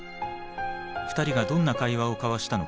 ２人がどんな会話を交わしたのか